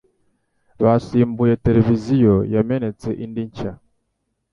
Basimbuye televiziyo yamenetse indi nshya.